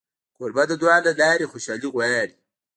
کوربه د دعا له لارې خوشالي غواړي.